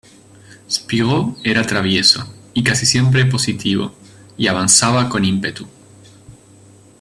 Spirou era travieso y casi siempre positivo, y avanzaba con ímpetu.